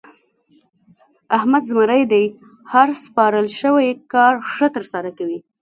احمد زمری دی؛ هر سپارل شوی کار ښه ترسره کوي.